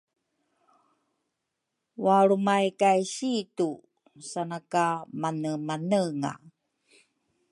walrumay kay situ sana ka manemanenga.